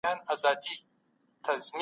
قوم او هُویت لري